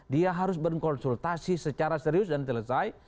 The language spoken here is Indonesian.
dia harus berkonsultasi secara serius dan selesai